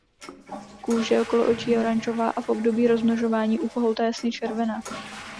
Kůže okolo očí je oranžová a v období rozmnožování u kohouta jasně červená.